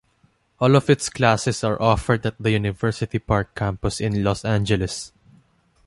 All of its classes are offered at the University Park campus in Los Angeles.